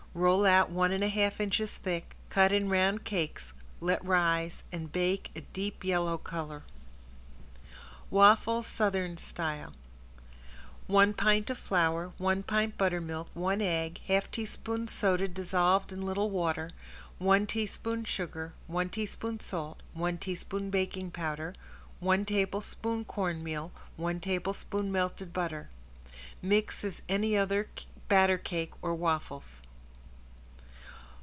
Roll out one and one half inches thick, cut in round cakes, let rise and bake a deep yellow color. ~WAFFLES SOUTHERN STYLE~ One pint of flour, one pint buttermilk, one egg, half teaspoon soda dissolved in little water, one teaspoon sugar, one teaspoon salt, one teaspoon baking powder, one tablespoon cornmeal, one tablespoon melted butter. Mix as any other batter cake or waffles.